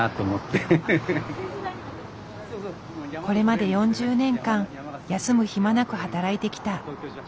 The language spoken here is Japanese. これまで４０年間休む暇なく働いてきた。